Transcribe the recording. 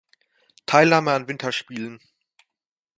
Teilnahme an Winterspielen.